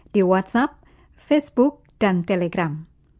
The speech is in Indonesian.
di whatsapp facebook dan telegram